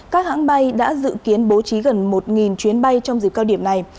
các hãng bay đã dự kiến bố trí gần một chuyến bay trong dịp cao điểm này